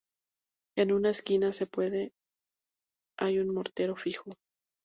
En una esquina se puede hay un mortero fijo.